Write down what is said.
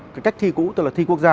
cái cách thi cũ tức là thi quốc gia